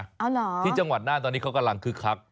เอาเหรอที่จังหวัดน่านตอนนี้เขากำลังคึกคัก